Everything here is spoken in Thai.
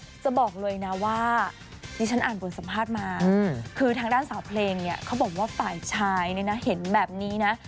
จะบอกเลยนะว่าดิฉันอ่านบทสัมภาษณ์มาคือทางด้านสาวเพลงเนี่ยเขาบอกว่าฝ่ายชายเนี่ยนะเห็นแบบนี้นะ